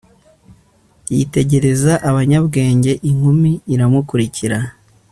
Yitegereza abanyabwenge inkumi iramukurikira